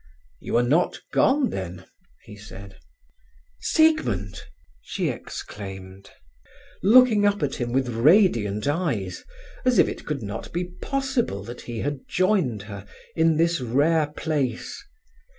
"You are not gone, then?" he said. "Siegmund!" she exclaimed, looking up at him with radiant eyes, as if it could not be possible that he had joined her in this rare place.